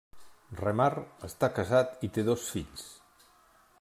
Remar està casat i té dos fills.